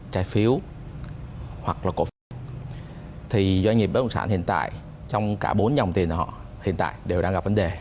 trái phiếu hoặc là cổ phiếu thì doanh nghiệp bất động sản hiện tại trong cả bốn dòng tiền họ hiện tại đều đang gặp vấn đề